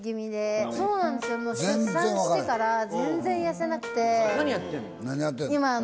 出産してから全然痩せなくて。